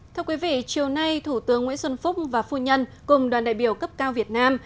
thưa quý vị chiều nay thủ tướng nguyễn xuân phúc và phu nhân cùng đoàn đại biểu cấp cao việt nam